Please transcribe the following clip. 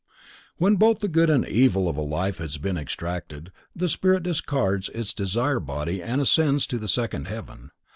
_ When both the good and evil of a life has been extracted, the spirit discards its desire body and ascends to the second heaven.